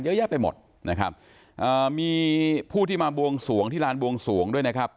เยอะแยะไปหมดนะครับอ่ามีผู้ที่มาบวงสวงที่ลานบวงสวงด้วยนะครับ